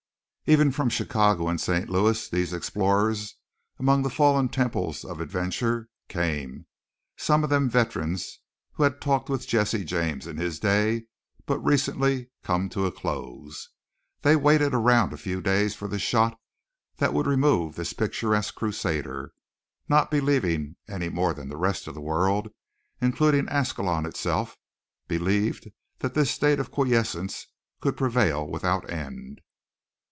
Even from Chicago and St. Louis these explorers among the fallen temples of adventure came, some of them veterans who had talked with Jesse James in his day but recently come to a close. They waited around a few days for the shot that would remove this picturesque crusader, not believing, any more than the rest of the world, including Ascalon itself, believed that this state of quiescence could prevail without end.